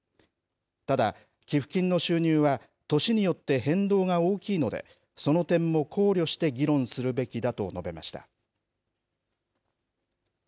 ただ、寄付金の収入は年によって変動が大きいので、その点も考慮して議論するべきだと述べました。